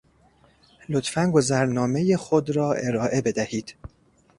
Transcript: لطفاَ گذرنامهٔ خود را ارائه بدهید.